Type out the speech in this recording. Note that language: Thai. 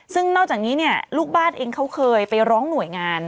ซึ่งนอกจากนี้เนี่ยลูกบ้านเองเขาเคยไปร้องหน่วยงาน